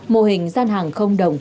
mô hình gian hàng không đồng